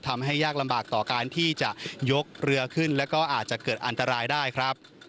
ยากลำบากต่อการที่จะยกเรือขึ้นแล้วก็อาจจะเกิดอันตรายได้ครับ